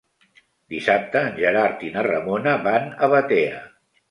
Dissabte en Gerard i na Ramona van a Batea.